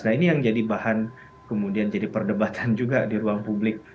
nah ini yang jadi bahan kemudian jadi perdebatan juga di ruang publik